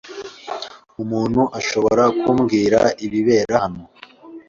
Umuntu ashobora kumbwira ibibera hano?